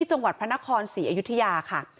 ที่จังหวัดพระนคร๔อยุธยาค่ะ